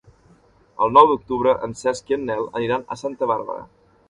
El nou d'octubre en Cesc i en Nel aniran a Santa Bàrbara.